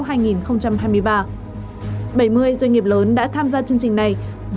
bảy mươi doanh nghiệp lớn đã tham gia chương trình này với mục đích góp phần với doanh nghiệp lớn